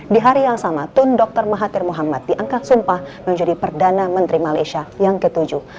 di hari yang sama tun dr mahathir muhammad diangkat sumpah menjadi perdana menteri malaysia yang ketujuh